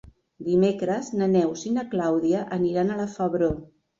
Dimecres na Neus i na Clàudia aniran a la Febró.